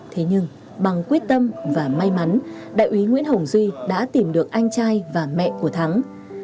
thế nhưng bằng quyết tâm và may mắn đại úy nguyễn hồng duy đã tìm được anh trai và mẹ của thắng